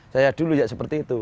saya dulu ya seperti itu